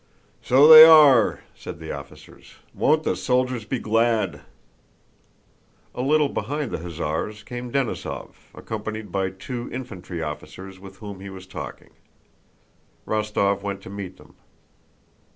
"So they are!" said the officers. "Won't the soldiers be glad!" A little behind the hussars came Denísov, accompanied by two infantry officers with whom he was talking. Rostóv went to meet them.